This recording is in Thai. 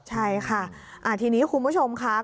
ใช่ค่ะทีนี้คุณผู้ชมค่ะ